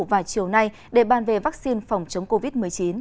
vào chiều nay để ban về vaccine phòng chống covid một mươi chín